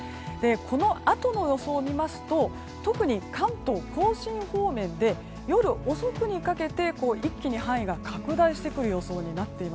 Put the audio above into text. このあとの予想を見ますと特に関東・甲信方面で夜遅くにかけて一気に範囲が拡大してくる予想です。